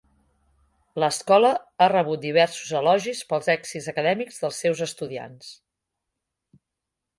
L"escola ha rebut diversos elogis pels èxits acadèmics dels seus estudiants.